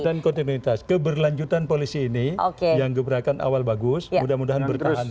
dan kontinuitas keberlanjutan polisi ini yang gebrakan awal bagus mudah mudahan bertahan